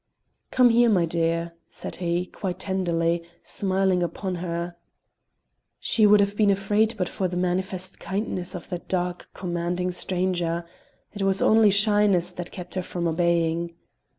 "Come here, my dear!" said he, quite tenderly, smiling upon her. She would have been afraid but for the manifest kindness of that dark commanding stranger; it was only shyness that kept her from obeying.